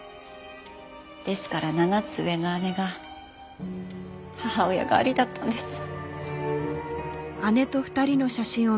ですから７つ上の姉が母親代わりだったんです。